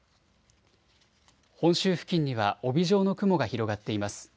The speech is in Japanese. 本州付近には帯状の雲が広がっています。